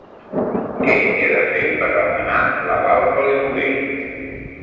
Que he de fer per demanar l'aval pel lloguer?